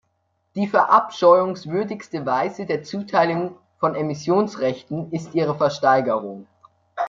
Die verabscheuungswürdigste Weise der Zuteilung von Emissionsrechten ist ihre Versteigerung.